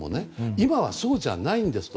今は、そうじゃないんですと。